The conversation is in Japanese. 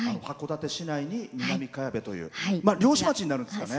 函館市内に南茅部という漁師町になるんですかね。